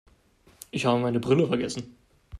Ich habe meine Brille vergessen.